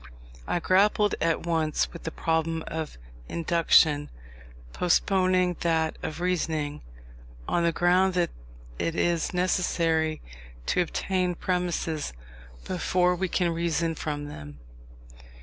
I grappled at once with the problem of Induction, postponing that of Reasoning, on the ground that it is necessary to obtain premises before we can reason from them.